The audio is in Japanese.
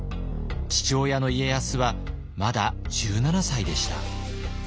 父親の家康はまだ１７歳でした。